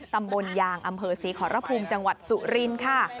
ตำบลยางอำเภอศรีขอรภูมิจังหวัดสุรินทร์ค่ะ